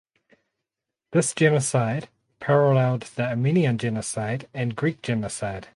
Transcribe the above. This genocide paralleled the Armenian genocide and Greek genocide.